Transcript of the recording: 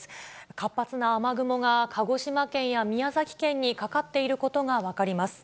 活発な雨雲が、鹿児島県や宮崎県にかかっていることが分かります。